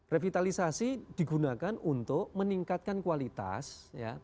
revitalisasi digunakan untuk meningkatkan kualitas ya